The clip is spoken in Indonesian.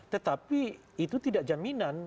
tetapi itu tidak jaminan